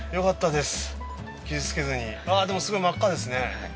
でもすごい真っ赤ですね。